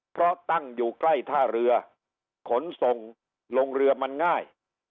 เพราะตั้งอยู่ใกล้ท่าเรือขนส่งลงเรือมันง่าย